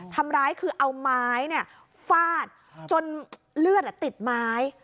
ทำร้ายคือเอาไม้ฟาดจนเลือดติดไม้